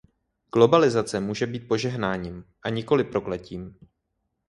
Globalizace může být požehnáním, a nikoli prokletím.